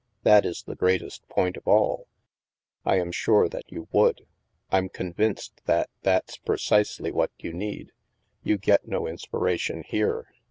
" That is the greatest point of all. I am sure that you would. I'm convinced that that's precisely what you need. You get no inspiration here.